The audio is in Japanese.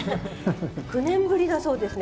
９年ぶりだそうですね。